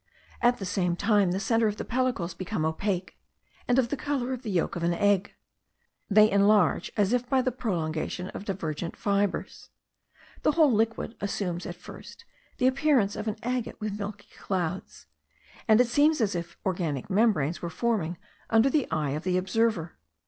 At the same time, the centre of the pellicles becomes opaque, and of the colour of the yolk of an egg; they enlarge as if by the prolongation of divergent fibres. The whole liquid assumes at first the appearance of an agate with milky clouds; and it seems as if organic membranes were forming under the eye of the observer.